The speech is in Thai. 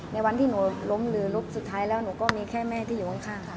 ในวันที่หนูล้มหรือลบสุดท้ายแล้วหนูก็มีแค่แม่ที่อยู่ข้างค่ะ